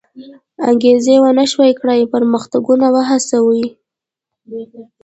انګېزې و نه شوی کړای پرمختګونه وهڅوي.